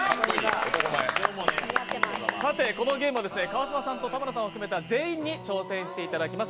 このゲームは川島さんと田村さんを含めた全員に参加していただきます。